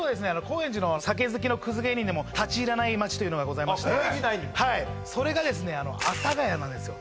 高円寺の酒好きのクズ芸人でも立ち入らない街というのがございまして高円寺内にもはいそれがですね阿佐ヶ谷なんですよ